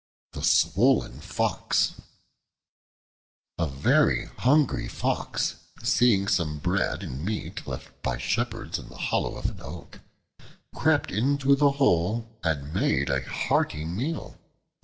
The Swollen Fox A VERY HUNGRY FOX, seeing some bread and meat left by shepherds in the hollow of an oak, crept into the hole and made a hearty meal.